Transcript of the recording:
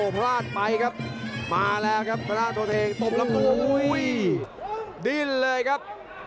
พลาดไปมาแล้วครับ